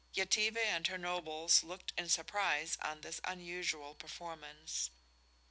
Yetive and her nobles looked in surprise on this unusual performance.